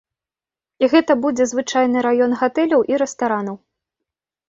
Гэта будзе звычайны раён гатэляў і рэстаранаў.